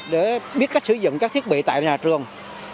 để biết cách sử dụng các thiết bị tại nhà trường